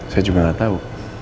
saya juga nggak tahu